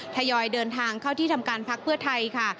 ทยอยเดินทางเข้าที่ทำการพักเพื่อไทยค่ะ